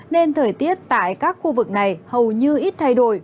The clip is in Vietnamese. nên thời tiết tại các khu vực này hầu như ít thay đổi